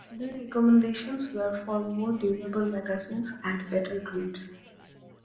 Other recommendations were for more durable magazines and better grips.